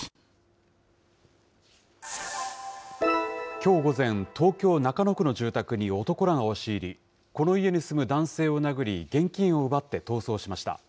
きょう午前、東京・中野区の住宅に男らが押し入り、この家に住む男性を殴り、現金を奪って逃走しました。